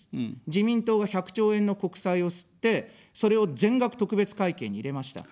自民党が１００兆円の国債を刷って、それを全額、特別会計に入れました。